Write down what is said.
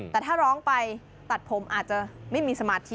แต่ถ้าร้องไปตัดผมอาจจะไม่มีสมาธิ